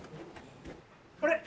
あれ？